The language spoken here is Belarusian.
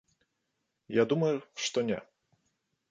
Я думаю, што не.